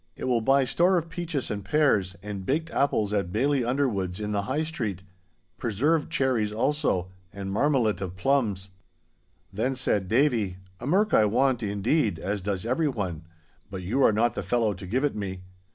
'It will buy store of peaches, and pears, and baked apples at Baillie Underwood's in the High Street, preserved cherries also, and marmalit of plums.' Then said Davie, 'A merk I want, indeed, as does everyone, but you are not the fellow to give it me.